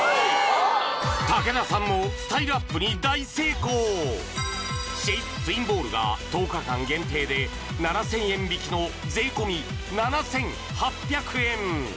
武田さんもスタイルアップに大成功シェイプツインボールが１０日間限定で７０００円引きの税込７８００円